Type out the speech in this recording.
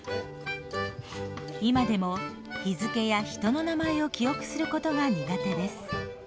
今でも日付や人の名前を記憶することが苦手です。